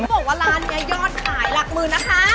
ว้าวบอกว่าร้านนี้ยอดขายหลักมือนะคะ